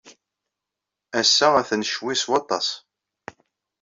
Ass-a, atan ccwi s waṭas.